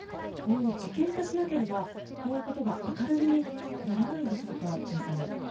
事件化しなければこういうことが明るみにならないんでしょうか。